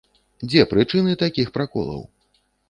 Дзе прычыны такіх праколаў?